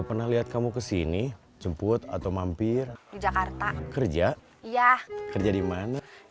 permasalah kau seperti uses r almond